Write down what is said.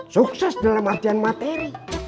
sukses dalam artian materi